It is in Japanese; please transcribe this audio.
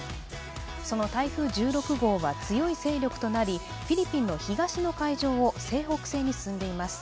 その台風１６号は強い勢力となり、フィリピンの東の海上を西北西に進んでいます。